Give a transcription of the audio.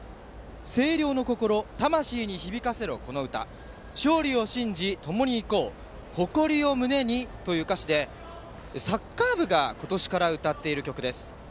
星稜の心魂に響かせろこの歌勝利を信じともに行こう誇りを胸にという歌詞でサッカー部が今年から歌っている曲です。